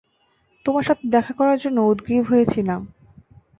তোমার সাথে দেখা করার জন্য উদগ্রিব হয়ে ছিলাম।